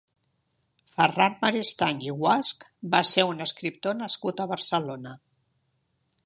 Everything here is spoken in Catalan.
Ferran Maristany i Guasch va ser un escriptor nascut a Barcelona.